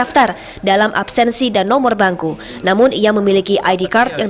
karena lewat online saya dapat wp sbm itu dari rumah